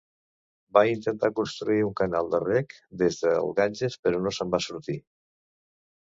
Va intentar construir un canal de reg des del Ganges però no se'n va sortir.